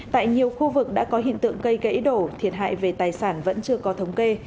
tại nhiều khu vực đã có hiện tượng cây gãy đổ thiệt hại về tài sản vẫn chưa có thống kê